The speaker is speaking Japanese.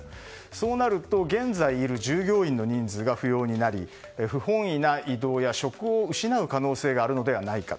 そうなると、現在いる従業員の人数が不要になり不本意な異動や職を失う可能性があるのではないか。